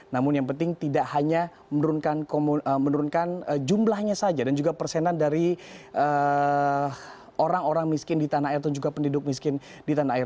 namun yang penting tidak hanya menurunkan jumlahnya saja dan juga persenan dari orang orang miskin di tanah air atau juga penduduk miskin di tanah air